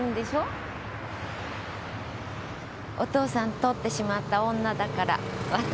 お父さん取ってしまった女だからわたし。